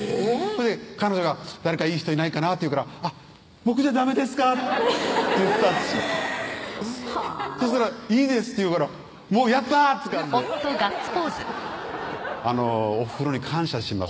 彼女が「誰かいい人いないかな」と言うから「僕じゃダメですか？」って言ったんですよそしたら「いいです」って言うからやった！って感じでおふくろに感謝してます